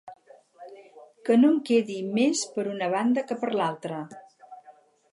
que no en quedi més per una banda que per l'altra